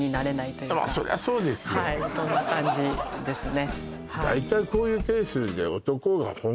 はいそんな感じですね